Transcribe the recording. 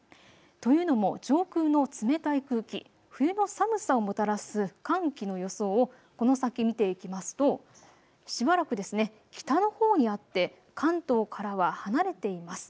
というのも上空の冷たい空気、冬の寒さをもたらす寒気の予想をこの先見ていきますとしばらく北のほうにあって関東からは離れています。